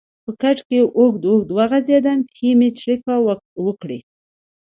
په کټ کې اوږد اوږد وغځېدم، پښې مې څړیکه وکړې.